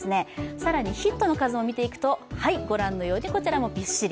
更にヒットの数も見ていくと、ご覧のように、こちらもびっしり。